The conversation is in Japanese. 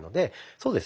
そうです。